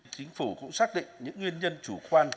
chính phủ cũng xác định những nguyên nhân chủ quan